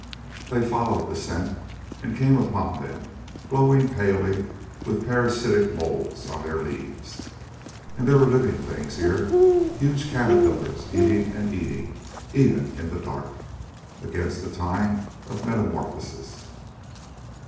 They followed the scent and came upon them, glowing palely with parasitic moulds on their leaves. And there were living things here: huge caterpillars eating and eating, even in the dark, against the time of metamorphosis.